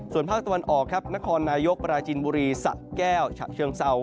ส่วนภาคตะวันออกครับนครนายกปราจินบุรีสะแก้วฉะเชิงเศร้า